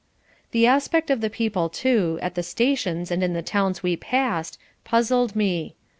The aspect of the people too, at the stations and in the towns we passed, puzzled me.